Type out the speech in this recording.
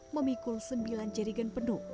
memikul sembilan jerigen penuh